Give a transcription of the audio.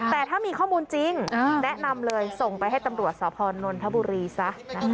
แต่ถ้ามีข้อมูลจริงแนะนำเลยส่งไปให้ตำรวจสพนนทบุรีซะนะคะ